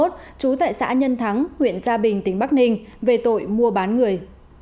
trú tại xã nhân thắng huyện gia bình tỉnh bắc ninh về tội mua bán người